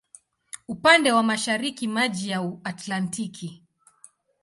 Upande wa mashariki maji ya Atlantiki.